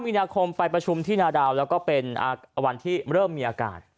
มีนาคมไปประชุมที่นาดาวแล้วก็เป็นวันที่เริ่มมีอากาศ